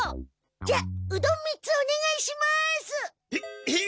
じゃうどん３つおねがいします！へへい！